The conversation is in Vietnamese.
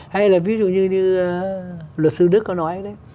hay là ví dụ như luật sư đức có nói